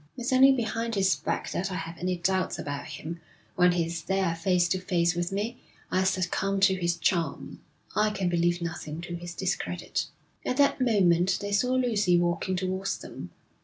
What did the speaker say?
It's only behind his back that I have any doubts about him; when he's there face to face with me I succumb to his charm. I can believe nothing to his discredit.' At that moment they saw Lucy walking towards them.